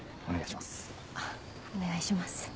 お願いします。